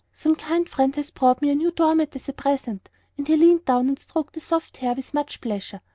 some kind friend has brought me a new door mat as a present," and he leaned down and stroked the soft hair with much pleasure.